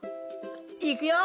いくよ！